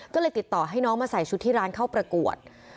ก็เลยติดต่อให้น้องมาใส่ชุดที่ร้านเข้าประกวด